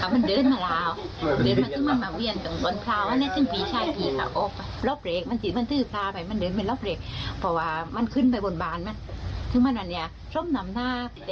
มันก็เป็นเหตุการณ์อย่างที่เล่าให้ฟัง